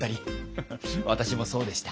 フフッ私もそうでした。